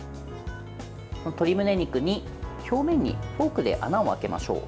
鶏むね肉に、表面にフォークで穴を開けましょう。